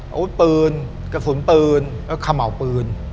อาวุธปืนกระสุนปืนและเขม่าวปืน